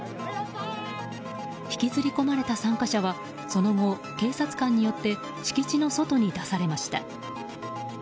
引きずり込まれた参加者はその後、警察官によって敷地の外に出されました。